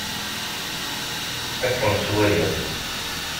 Ad kem-tt-walliɣ.